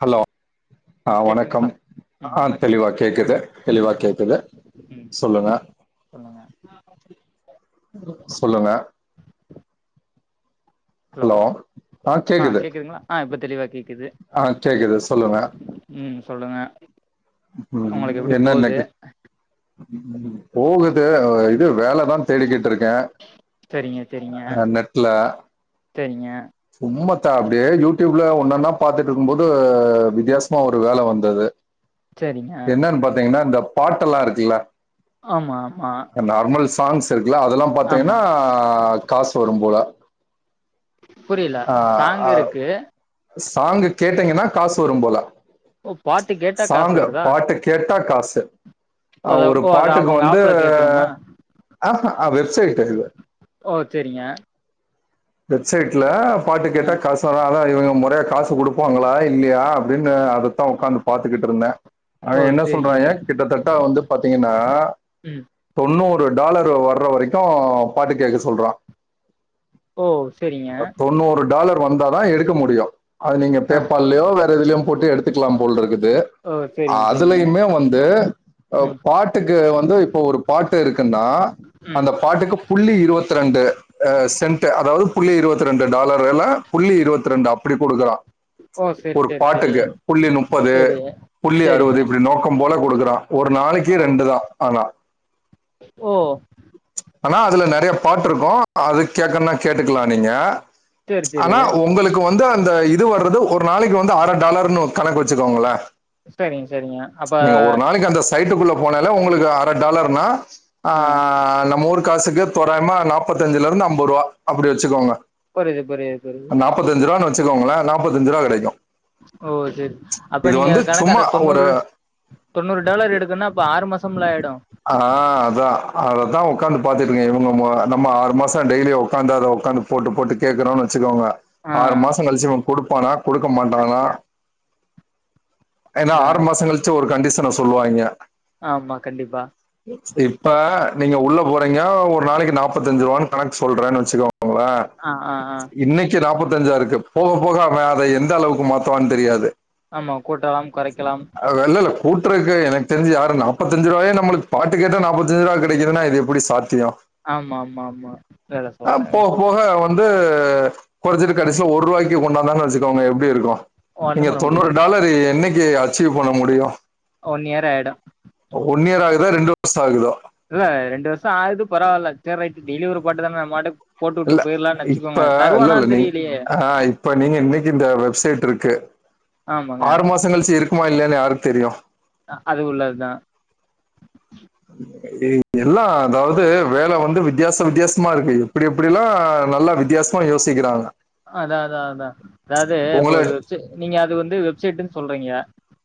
Hello ஆ கேக்குதுங்களா? ம் ஆ வணக்கம் தெளிவா கேக்குது ம் தெளிவா கேக்குது ம் சொல்லுங்க. சொல்லுங்க. ம் சொல்லுங்க, ஹலோ ஆ கேக்குது ஆ இப்ப தெளிவா கேக்குது ஆ கேக்குது சொல்லுங்க ம் சொல்லுங்க ம் உங்களுக்கு எப்டி என்ன போகுது இன்னைக்கி ம் போகுது இது வேலைதா தேடிக்கிட்டு இருக்கே சரிங்க அ நெட்ல சேரிங்க சும்மா தா அப்டியே யூடியூப்ல ஒன்னொன்னா பாத்துட்டு க்குபோது வித்தியாசமா ஒரு வேலை வந்தது சரிங்க என்னன்னு பாத்தீங்னா இந்த பாட்டெல்லா இருக்குல்ல. ஆமா ஆமா நார்மல் சாங்ஸ் இருக்குல்ல அதெல்லா பாத்தீங்கனா ஆமா காசு வரும் போல. புரியல ஆ சாங் அ இருக்கு சாங்கு கேட்டீங்கனா காசு வரும் போல. ஓ பாட்டு கேட்டா காசு சாங்க வருதா பாட்டு கேட்டா காசு. ஆ அத ஒரு ஓ அத பாட்டுக்கு அவங்க வந்து ஆப்ல கேட்கணுமா ஆஹ வெப்சைட் இது. ஓ சேரிங்க. வெப்சைட்ல பாட்டு ஆ கேட்டா காசு. தரனால இவங்க மொறையா காசு குடுப்பாங்ளா இல்லையா அப்டின்னு அதத்தா உக்காந்து பாத்துகிட்டுருந்த ஓ அவே என்ன சரிங்க சொல்றாங்க ச கிட்டத்தட்ட வந்து பாத்தீங்கனா ம் தொண்ணூறு டாலர் வர்ற வரைக்கு பாட்டு கேக்க சொல்றா ஓ செரி அத் தொண்ணூறு டாலர் வந்தாதா எடுக்க முடியு அது நீங்க ஆ பேப்பல்லியோ வேற எதுலியு போட்டு எடுத்துக்லா போல்ருக்குது ஓ சரிங்க சரிங்க அதுலயுமே வந்து அ ம் பாட் டுக்கு வந்து இப்ப ஒரு பாட்டு இருக்குன்னா ம் அந்த பாட்டுக்கு புள்ளி இருவத்தி ரெண்டு ஆ சென் ட்டு அதாவ்து புள்ளி இருவத்தி ரெண்டு டாலர் ஆனா புள்ளி இருவத்தி ரெண்டு அப்பிடி குடுக்குறா ஓ சரி ஒரு சரி சரி பாட்டுக்கு புள்ளி நுப்பது சரி புள்ளி சரி அறுவது இப்டி நோக்கம் போல குடுக்குறா ஒரு நாளைக்கு ஓ ரெண்டு தா ஆனா ஓ ஆனா அதுல நறைய பாட்டுருக்கூ அது கேக்கனா கேட்டுக்லா நீங்க சேரி சேரி ஆனா ஒங்குளுக் கு வந்து அந்த இது வர்றது ஒரு நாளைக்கு வந்து அர டாலர்னு கணக்கு வச்சுக்கோங்களே சரிங்க சரிங்க அப்ப நீங்க ஒரு நாளைக்கு அந்த சைட்டுக்குள்ள போனால உங்களுக்கு அர டாலர்னா ஆ நம்ம ஊர் காசுக்கு தோராயமா நாப்பத்தஞ்சுலருந்து அம்பது ரூவா அப்டி வச்சுக்கோங்க புரிது புரிது புரிது முப்பத்தஞ்சுரூவான் வச்சுக்கோங்ளே நாப்பத்தஞ்சு ரூவா கெடைக்கூ ஓ செரி அப்ப நீங்க கணக்கு சும்மா அந்த ஒரு தொண்ணூறு தொண்ணூறு டாலர் எடுக்குன்னா அப்ப ஆறு மாசம்ல ஆயிடு ஆ அதா அததா ஒக்காந்து பாத்துட்ருக்கே இவுங்க நம்ம ஆறு மாசோ டெய்லியு உக்காந்து அத உக்காந் போட்டு போட்டு கேக்குறோன் வச்சுக்கோங்க ஆ ஆறு மாசோ கழிச்சு இவ குடுப்பானா குடுக்க மாட்டானா அதுதா ஏனா அதா ஆறு மாசோ கழிச்சு ஒரு கண்டிஷன சொல்லுவாய்ங்க ஆமா கண்டிப்பா இப்ப நீங்க உள்ள போறீங்க ஒரு நாளைக்கு நாப்பத்தஞ்சு ரூவான் கணக்கு சொல்றேன் வச்சுக்கோங்ளே ஆ ஆ ஆ சி நாப்பத்தஞ்சா ருக்கு போக போக அவெ அத எந்த அளவுக்கு மாத்துவான் தெரியாது ஆமா கூட்டலாம் கொறைக்கலாம் அது வெல்லல்ல கூட்றக்கு எனக்கு தெரிஞ்சு யாரும் நாப்பத்தஞ்சு ரூவாயே ந உங்களுக் பாட்டு கேட்டா நாப்பத்தஞ்சு ரூபா கெடைக்குதுன்னா இது எப்டி சாத்தியோ ஆமா ஆமா ஆமா வேற சொல்றே போக எப்டி போக வந்து கொறச்சிட்டு கடைசில ஒருவாய்க்கு கொண்டாந்தான்னா வச்சுக்கோங்க எப்டி இருக்கூ ஒண்ணு நீங்க பண்ண தொண்ணூறு முடியாது டாலரு என்னைக்கி அச்சீவ் பண்ண முடியு ஒன் இயர் ஆயிடு ஒன் இயர் ஆகுதா ரெண்டு வர்ஷோ ஆகுதா இல்ல ரெண்டு வருஷோ ஆவுது பரவால்ல சேர் ரைட் டீலி ஒரு பண்டு தாங்க நம் மாட்டுக் இல்ல இப்ப இல்லல்ல நீங் தெரியலையே ஆ இப்ப நீங்க இன்னிக்கி இந்த வெப்சைட்ருக்கு ஆமாங்க ஆறு மாசோ கழிச்சு இர் குமா இல்லியானு யாருக்கு தெரியு அ அது உள்ளத்தா ஏ எல்லாம் அதாவ்து வேல வந்து வித்தியாச வித்தியாசமா இருக்கு இப்டி இப்டிலா நல்லா வித்தியாசமா யோசிக்கிறாங்க அதா அதா அதா அதாது இப்ப உங்கள ஒரு வெப்சை நீங்க அது வந்து வெப்சைட்டுன் சொல்றீங்க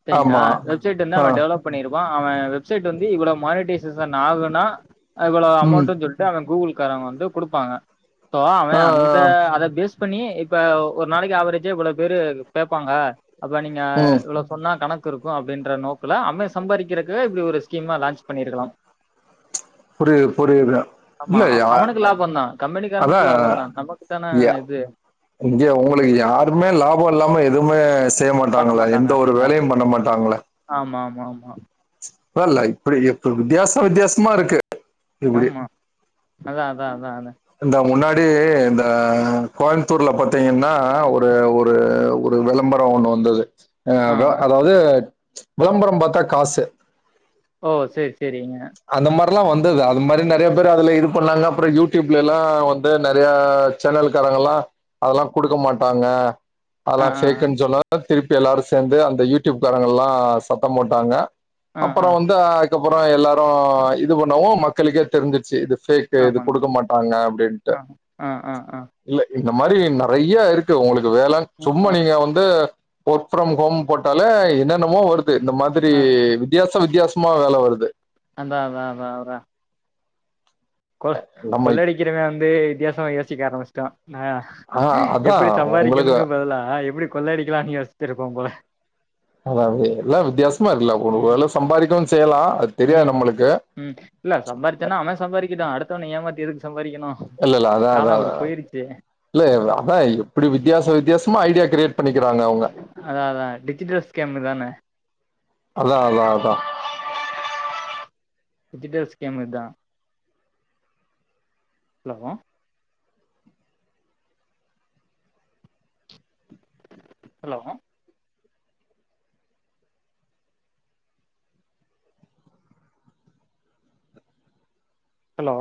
செரிங்ளா ஆமா வெப்சைட்டுந்தா ஆ அவ டெவலப் பண்ணிருப்பா அவ வெப்சைட் வந்து இவ்ளோ மானடைசேஷன் ஆகுனா இவ்ளோ ம் அமௌண்ட்டுன் சொல் டு அவ கூகுள்கார வந்து குடுப்பாங்க சோ அவெ ஆ அந்த ஆ அத பேஸ் பண்ணி இப்ப ஒரு நாளைக்கு ஆவரேஜே இவ்ளோ பேரு கேப்பாங்க அப்ப நீங்க ம் இவ்ளோ சொன்னா கணக் கிருக்கூ அப்டின்ற நோக்குல அமே சம்பாரிக்கிறக்கு இப்டி ஒரு ஸ்கீமா லான்ச் பண்ணிருக்கலாம் புரிது புரியுது ஆமா இல்ல அ யா அவனுக்கு லாபந்தா அதா கம்பெனிக்காரனுக்கு லாபந்தா நமக்கு தான யா இது. இங்க உங்குளுக்கு யாருமே லாபோ இல்லாம எதுமேஸ் செய்ய மாட்டாங்களே எந்த ஒரு வேலையும் பண்ண மாட்டாங்களே. ஆமாமாமா. இப்போ லை இப்பிடி இப்பி வித்தியாச வித்தியாசமாருக்கு. ஆம்மா அதா அதா அதா அதா. இந்த முன்னாடி இந்த கோயமுத்தூர்ல பாத்தீங்கன்னா ஒரு ஒரு ஒ ரு விளம்பரோ ஒண்ணு வந்துது. அ ஆ. வெ அதாவ்து விளம்பரம் பாத்தா காசு. ஓ சேர் சேரிங்க. அந்த மாரில்லா வந்தது அது மாரி நெறைய பேரு அதுல இது பண்ணாங்க அப்றோ யூடியூப்ல எல்லா வந்து நெறயா சென்னல்க்காரங்கல்லா அதெல்லா குடுக்க மாட்டாங்க ஆ, அதெல்லா ஆ, பேக்குன்னு சொல்லதா திருப்பி எல்லாரு சேந்து அந்த யூடியூப் காரங்கல்லா சத்தோ போட்டாங்க ஆ, அப்பறோ ஆ. வந்து அதுக்கப்பறோ எல்லாரு இது பண்ணவு மக்களுக்கே தெரிஞ்சிச்சு இது சீட்டு இது ஆமாங்க. குடுக்க மாட்டாங்க அப்டின்டு ஆ, ஆ, ஆ, ஆ. இல்ல இந்த மாரி நெறைய இருக்கு உங்களுக்கு வேல ம், சும்மா ஆ, நீங்க வந்து ஒர்க் ஃப்ரம் ஹோம் போட்டாலே என்னென்னமோ வருது இந்த மாதிரி ஆ. வித்தியாசோ வித்தியாசோ சும்மா வேல வருது அதா அதா அதா அவ்ர கொள் நம்ம கொள்ளயடிக்குறவ வந்து வித்யாசமா யோசிக்க ஆரம்பிச்சுட்டோ ஆ ஆ அதான் எப்டி உங்களுக்கு சம்பாரிக்கணுறக் பதிலா எப்புடி கொள்ளயடிக்கலானு யோசிச்சிருப்பா போல அதா அது எல்லா வித்தியாசமா இருக்கல்ல ஒ ஓரளவு சம்பாறிக்கவு செய்யலா ம் தெரியாது ம் நம்மளுக்கு ம் இல்ல சம்பாரிச்சான்னா அவ சம்பாரிக்கட்டு அடுத்தவன ஏமாத்தி எதுக்கு சம்பாரிக்கணு இல்ல இல்ல அதா அதா இல்ல அதா எப்டி வித்தியாச வித்தியாசமா ஐடியா கிரியேட் பண்ணிக்கிறாங்க அவங்க அதா அதா டிஜிட்டல் ஸ்கேமு தான. அதா அதா அதா. டிஜிட்டல் ஸ்கேமு இத்தா. ஹலோ? ஹலோ? ஹலோ?